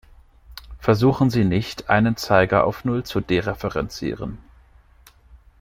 Versuchen Sie nicht, einen Zeiger auf null zu dereferenzieren.